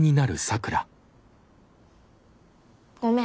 ごめん。